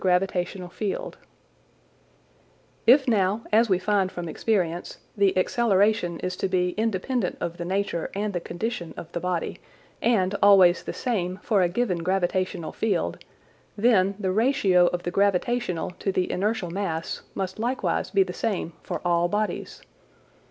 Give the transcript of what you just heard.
gif If now, as we find from experience, the acceleration is to be independent of the nature and the condition of the body and always the same for a given gravitational field, then the ratio of the gravitational to the inertial mass must likewise be the same for all bodies.